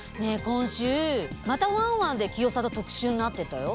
今週また「ワンワン」で清里特集になってたよ。